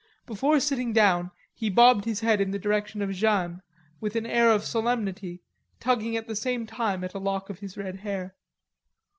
Before sitting down he bobbed his head in the direction of Jeanne with an air of solemnity tugging at the same time at a lock of his red hair.